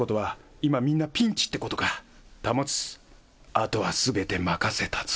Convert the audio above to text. あとは全て任せたぞ」